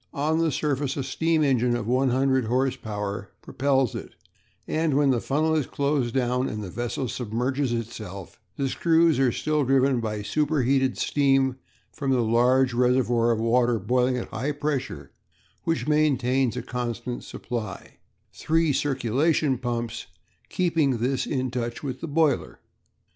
On the surface a steam engine of 100 horse power propels it, and when the funnel is closed down and the vessel submerges itself, the screws are still driven by superheated steam from the large reservoir of water boiling at high pressure which maintains a constant supply, three circulation pumps keeping this in touch with the boiler.